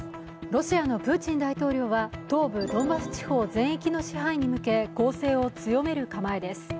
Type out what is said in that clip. ロシアのプーチン大統領は東部ドンバス地方全域の支配に向け攻勢を強める構えです。